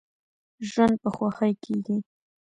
ژوند په خوښۍ کیږي.